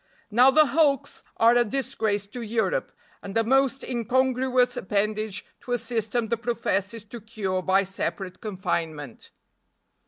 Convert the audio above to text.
Now the hulks are a disgrace to Europe, and a most incongruous appendage to a system that professes to cure by separate confinement.